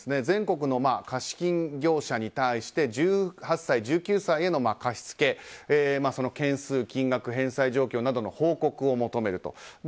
全国の貸金業者に対して１８歳、１９歳への貸し付けその件数、金額、返済状況などの報告を求めると。